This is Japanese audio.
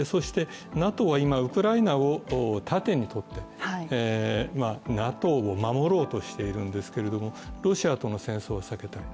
ＮＡＴＯは今、ウクライナを盾にとってＮＡＴＯを守ろうとしているんですけれども、ロシアとの戦争は避けたい。